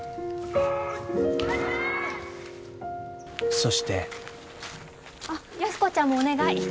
そしてあっ安子ちゃんもお願い。